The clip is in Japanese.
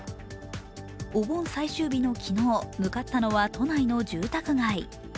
お盆最終日の昨日向かったのは都内の住宅街。